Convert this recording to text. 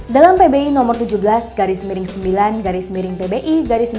dalam pbi no tujuh belas sembilan pbi dua ribu lima belas